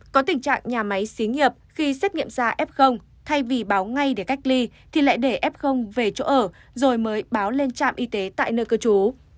có tình trạng nhà máy xí nghiệp khi xét nghiệm ra f thay vì báo ngay để cách ly thì lại để f về chỗ ở rồi mới báo lên trạm y tế tại nơi cư trú